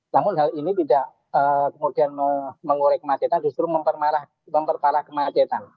namun hal ini tidak kemudian mengurai kemacetan justru memperparah kemacetan